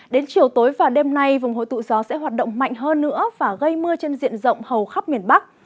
đến chiều tối và đêm nay vùng hội tụ gió sẽ hoạt động mạnh hơn nữa và gây mưa trên diện rộng hầu khắp miền bắc